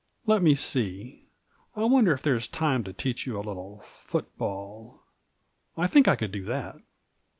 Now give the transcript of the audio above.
Let me see, I wonder if there's time to teach you a little foot ball. I think I could do that."